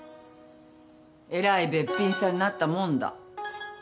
えらいべっぴんさんになったもんだ。